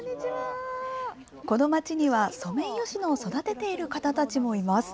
この町にはソメイヨシノを育てている方たちもいます。